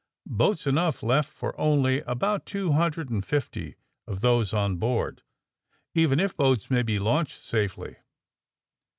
Boats enough left for only about two hundred and fifty of those on board, even if boats may be launched safely.